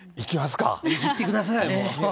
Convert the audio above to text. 行ってください、もう。